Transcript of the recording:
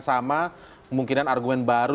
sama kemungkinan argumen baru